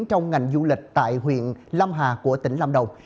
trong ngành du lịch tại huyện lâm hà của tỉnh lâm đồng